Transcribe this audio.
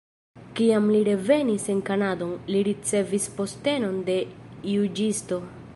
Kiam li revenis en Kanadon, li ricevis postenon de juĝisto.